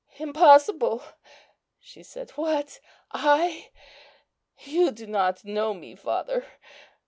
"Impossible!" she said, "what, I? you do not know me, father!"